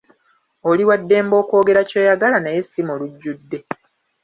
Oli waddembe okwogera ky'oyagala naye si mu lujjudde.